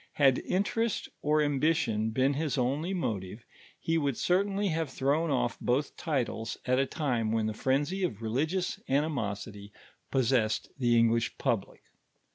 Hod interest or ambition been his only motive, lie would certainly have thrown off both titles at a time when the frenzy of religious animosity possessed the English public.